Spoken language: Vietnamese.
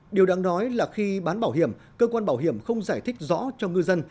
điều đáng nói là khi bán bảo hiểm cơ quan bảo hiểm không giải thích rõ cho ngư dân